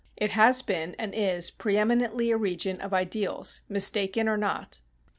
It has been, and is, preëminently a region of ideals, mistaken or not.